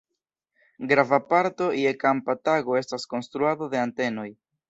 Grava parto je kampa tago estas konstruado de antenoj.